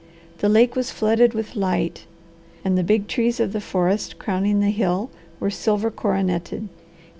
The lake was flooded with light, and the big trees of the forest crowning the hill were silver coroneted.